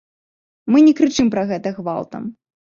Мы не крычым пра гэта гвалтам.